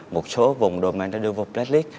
một số vùng domain đã đưa vào blacklist